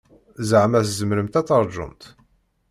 Zeɛma tzemremt ad taṛǧumt?